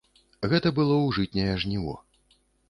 Гэта было ў жытняе жніво.